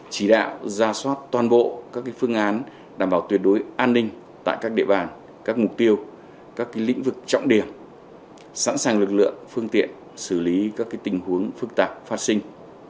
chỉ đạo ra soát toàn bộ các phương án đảm bảo tuyệt đối an ninh tại các địa bàn các mục tiêu các lĩnh vực trọng điểm sẵn sàng lực lượng phương tiện xử lý các tình huống phức tạp phát sinh